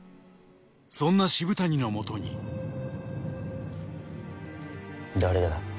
そんな渋谷のもとに誰だ？